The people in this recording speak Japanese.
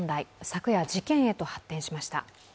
昨夜、事件へと発展しました。